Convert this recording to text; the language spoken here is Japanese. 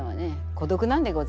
孤独なんでございます。